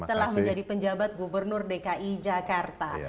setelah menjadi penjabat gubernur dki jakarta